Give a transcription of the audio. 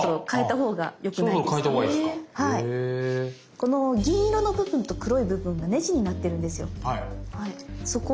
この銀色の部分と黒い部分がねじになってるんですよ。